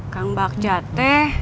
kang bakja teh